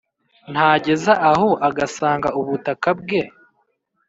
Ntageza aho agasanza ubutaka bwe,